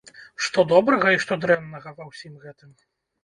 Што добрага і што дрэннага ва ўсім гэтым?